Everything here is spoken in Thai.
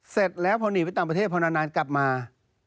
เสร็จแล้วพอหนีไปต่างประเทศพอนานกลับมา